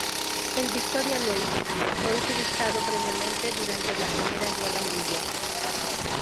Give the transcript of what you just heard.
El "Viktoria Luise" fue utilizado brevemente durante la Primera Guerra Mundial.